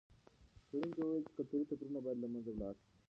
څېړونکي وویل چې کلتوري توپیرونه باید له منځه ولاړ سي.